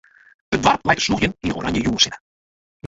It doarp leit te slûgjen yn 'e oranje jûnssinne.